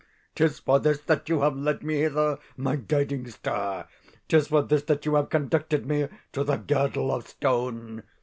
'Tis for this that you have led me hither, my guiding star 'tis for this that you have conducted me to the Girdle of Stone!